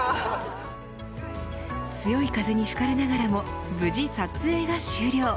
強い風に吹かれながらも無事撮影が終了。